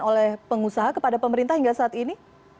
oleh pengusaha kepada pemerintah hingga saat ini